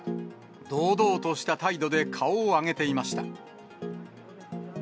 堂々とした態度で顔を上げていました。